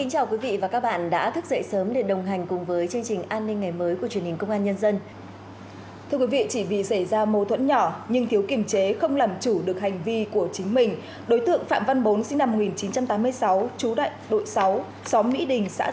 hãy đăng ký kênh để ủng hộ kênh của chúng mình nhé